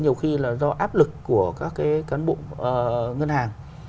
nhiều khi là do áp lực của các cái cán bộ ngân hàng